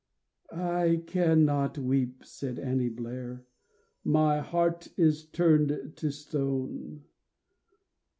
" I cannot weep," said Annie Blair —" My heart is turned to stone."